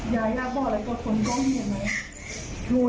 ยายยาบอกอะไรกฎผลก้องที่นี่ไหม